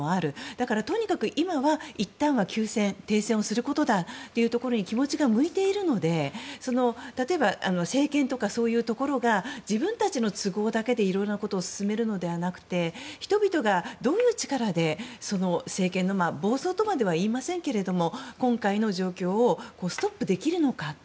だから、とにかく今はいったんは休戦停戦をすることだということに気持ちが向いているので例えば政権とかそういうところが自分たちの都合だけでいろいろなことを進めるのではなくて人々がどういう力で政権の暴走とまではいいませんけれども今回の状況をストップできるのか。